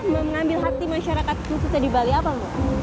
mengambil hati masyarakat khususnya di bali apa mbak